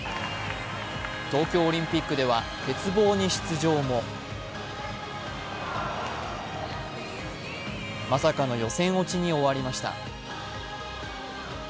東京オリンピックでは鉄棒に出場もまさかの予選落ちに終わりました。